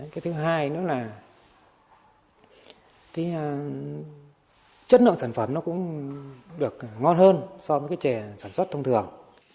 cái thứ hai nữa là chất lượng sản phẩm nó cũng được ngon hơn so với trẻ sản xuất thông thường